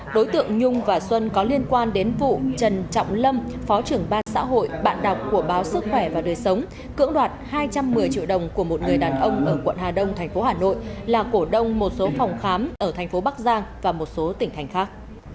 đối tượng nhung và xuân có liên quan đến vụ trần trọng lâm phó trưởng ban xã hội bạn đọc của báo sức khỏe và đời sống cưỡng đoạt hai trăm một mươi triệu đồng của một người đàn ông ở quận hà đông thành phố hà nội là cổ đông một số phòng khám ở thành phố bắc giang và một số tỉnh thành khác